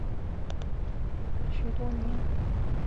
两个种族就这么保持松散的关系许多年。